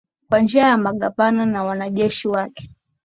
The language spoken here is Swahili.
kwa njia ya magavana na wanajeshi wake